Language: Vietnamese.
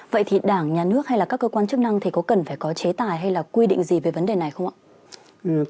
vậy thì đảng nhà nước hay là các cơ quan chức năng thì có cần phải có chế tài hay là quy định gì về vấn đề này không ạ